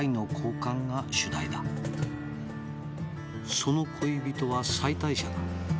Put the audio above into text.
「その恋人は妻帯者だ」